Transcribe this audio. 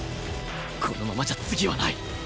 このままじゃ次はない